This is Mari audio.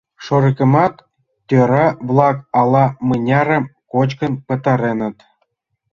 Шорыкымат тӧра-влак ала-мынярым кочкын пытареныт.